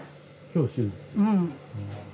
うん。